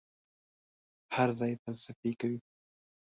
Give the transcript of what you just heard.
هر ځای فلسفې کوي.